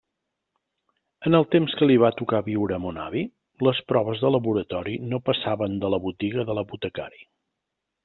En el temps que li va tocar viure a mon avi, les proves de laboratori no passaven de la botiga de l'apotecari.